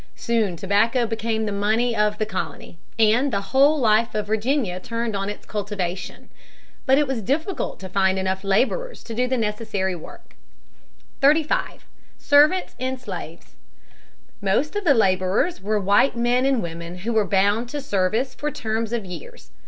Soon tobacco became the money of the colony, and the whole life of Virginia turned on its cultivation. But it was difficult to find enough laborers to do the necessary work. [Sidenote: White servants.] [Sidenote: Criminals.] [Sidenote: Negro slaves, 1619.] 35. Servants and Slaves. Most of the laborers were white men and women who were bound to service for terms of years.